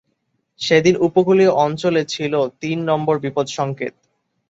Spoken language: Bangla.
সেদিন উপকূলীয় অঞ্চলে ছিল তিন নম্বর বিপদ সংকেত।